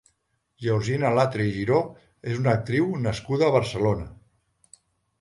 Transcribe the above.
Georgina Latre i Giró és una actriu nascuda a Barcelona.